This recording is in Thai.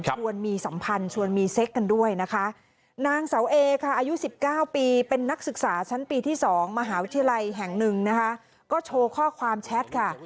ชวนมีสัมพันธ์ชวนมีเซ็กกันด้วยนะคะนางเสาเอค่ะอายุ๑๙ปีเป็นนักศึกษาชั้นปีที่๒มหาวิทยาลัยแห่งหนึ่งนะคะก็โชว์ข้อความแชทค่ะ